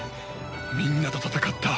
みんなと戦った。